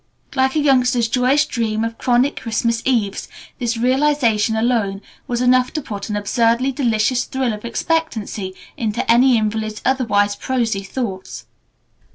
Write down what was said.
Like a youngster's joyous dream of chronic Christmas Eves, this realization alone was enough to put an absurdly delicious thrill of expectancy into any invalid's otherwise prosy thoughts.